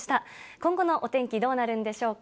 今後のお天気どうなるんでしょうか。